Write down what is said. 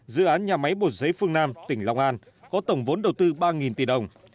dự án nhà máy bột giấy phương nam tỉnh long an có tổng vốn đầu tư ba tỷ đồng